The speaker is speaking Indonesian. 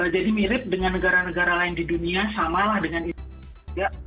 jadi mirip dengan negara negara lain di dunia samalah dengan indonesia